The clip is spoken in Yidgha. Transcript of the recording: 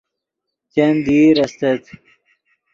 چند دیر استت